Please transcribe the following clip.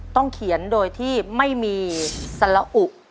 ต้องเขียนโดยที่ไม่มีสละอุ